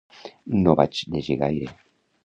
No vaig llegir gaire.